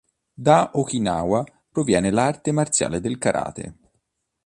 Da Okinawa proviene l'arte marziale del karate.